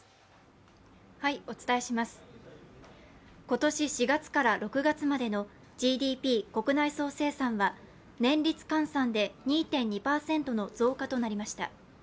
今年４月から６月までのＧＤＰ＝国内総生産は年率換算で２．２％の増加となりました。